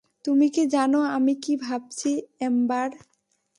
তুমি কি জানো আমি কি ভাবছি, এম্বার?